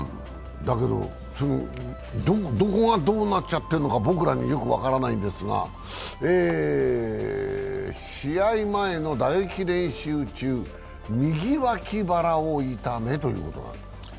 だけど、どこがどうなっちゃってるのか僕らにはよく分からないんですが試合前の打撃練習中、右脇腹を痛めということなんですね。